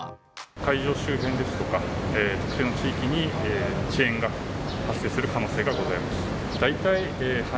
会場周辺ですとか、特定の地域に、遅延が発生する可能性がございます。